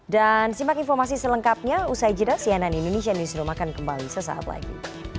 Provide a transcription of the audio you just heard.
dan simak informasi selengkapnya usai jeddah sianan indonesia news romakan kembali sesaat lagi